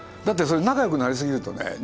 だってそれ仲よくなりすぎるとね